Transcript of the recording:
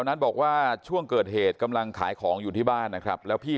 แล้วน้องอีกคนหนึ่งจะขึ้นปรากฏว่าต้องมาจมน้ำเสียชีวิตทั้งคู่